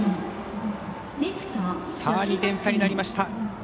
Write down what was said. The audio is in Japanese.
差は２点差になりました。